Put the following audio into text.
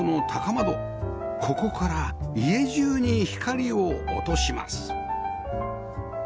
ここから家中に光を落とします